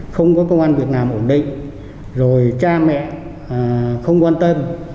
không có công an việt nam ổn định rồi cha mẹ không quan tâm